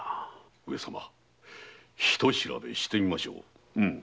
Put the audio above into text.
ひと調べしてみましょう。